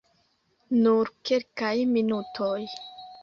Nur kelkaj minutoj.